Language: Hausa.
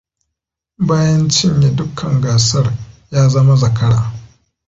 Bayan cinye dukkan gasar, ya zama zakara.